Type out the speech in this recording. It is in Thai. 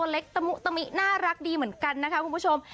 เล็กตะมุตะมิน่ารักดีเหมือนกันนะคะคุณผู้ชม